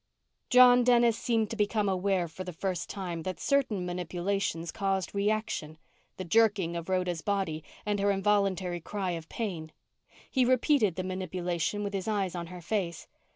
_ John Dennis seemed to become aware for the first time that certain manipulations caused reaction the jerking of Rhoda's body and her involuntary cry of pain. He repeated the manipulation with his eyes on her face.